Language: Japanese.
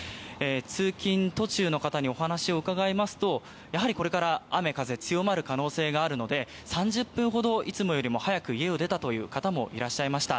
通勤途中の方にお話しを伺いますとやはりこれから雨、風が強まる可能性があるので３０分ほどいつもより早く家を出たという方もいました。